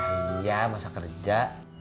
iya masa kerja